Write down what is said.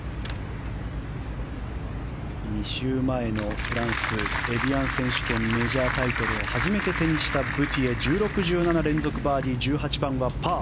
２週前のフランスエビアン選手権メジャータイトルを初めて手にしたブティエ１６、１７、連続バーディー１８番はパー。